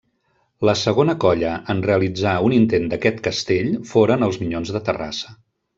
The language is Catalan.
La segona colla en realitzar un intent d'aquest castell foren els Minyons de Terrassa.